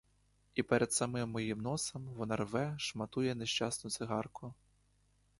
І перед самим моїм носом вона рве, шматує нещасну цигарку.